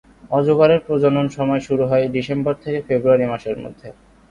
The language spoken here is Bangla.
অজগরের প্রজনন সময় শুরু হয় ডিসেম্বর থেকে ফেব্রুয়ারি মাসের মধ্যে।